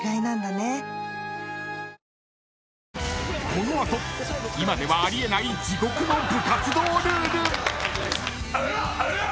［この後今ではあり得ない地獄の部活動ルール］